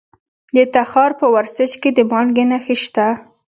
د تخار په ورسج کې د مالګې نښې شته.